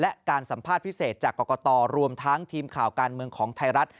และการสัมภาษณ์พิเศษจากกรกตรวมทั้งทีมข่าวการเมืองของไทยรัฐ